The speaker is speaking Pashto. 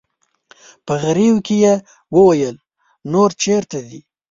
په غريو کې يې وويل: نور چېرته دي؟